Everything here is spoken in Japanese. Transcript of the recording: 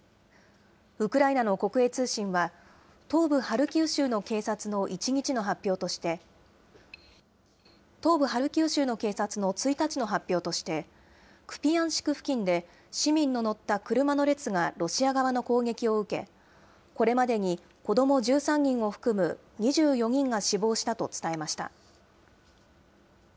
ウクライナの国営通信は、東部ハルキウ州の警察の１日の発表として、クピヤンシク付近で市民の乗った車の列がロシア側の攻撃を受け、これまでに子ども１３人を含む２４人が死亡したと伝えました。